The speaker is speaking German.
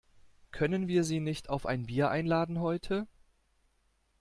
Können wir sie nicht auf ein Bier einladen heute?